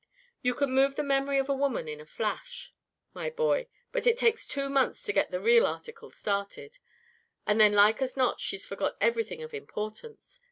You can move the memory of a woman in a flash, my boy, but it takes two months to get the real article started, and then like as not she's forgot everything of importance.